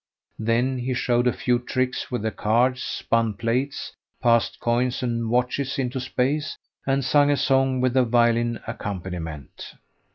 Then he showed a few tricks with the cards, spun plates, passed coins and watches into space, and sung a song with a violin accompaniment.